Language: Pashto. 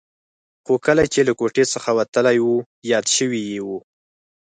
خو کله چې له کوټې څخه وتلی و یاد شوي یې و.